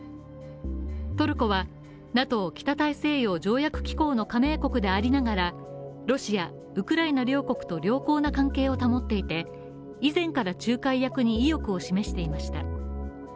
トルコはＮＡＴＯ＝北大西洋条約機構の加盟国でありながらロシア、ウクライナ両国と良好な関係を保っていて以前から仲介役に意欲を示していました。